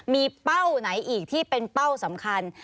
มีเป้าไหนอีกที่เป็นเป้าสำคัญ